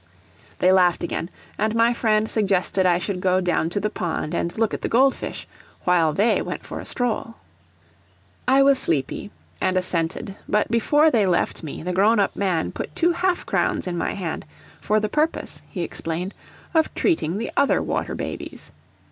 They laughed again, and my friend suggested I should go down to the pond and look at the gold fish, while they went for a stroll. I was sleepy, and assented; but before they left me, the grown up man put two half crowns in my hand, for the purpose, he explained, of treating the other water babies.